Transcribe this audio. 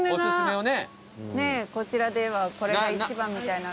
こちらではこれが一番みたいなの。